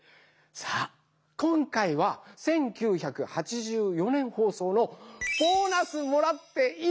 さあ今回は１９８４年ほうそうの「ボーナスもらっていい湯だな」